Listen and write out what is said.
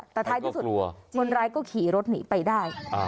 แต่ท้ายที่สุดคนร้ายก็ขี่รถหนีไปได้